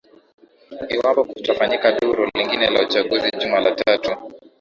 iwapo kutafanyika duru lingine la uchaguzi juma la tatu